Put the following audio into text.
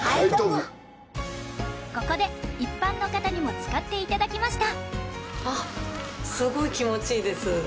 ここで一般の方にも使っていただきました